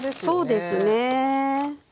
そうですね。